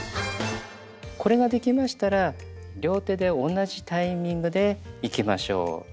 これができましたら両手で同じタイミングでいきましょう。